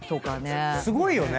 すごいよね。